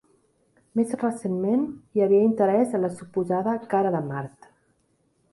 Més recentment, hi havia interès en la suposada "Cara de Mart".